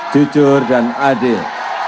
jujur dan adil